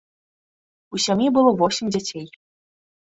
У сям'і было восем дзяцей.